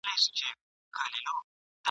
زړه دي خپل خدای نګهبان دی توکل کوه تېرېږه ..